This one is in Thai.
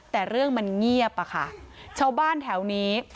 แต่เรื่องมันเงียบอะค่ะชาวบ้านแถวนี้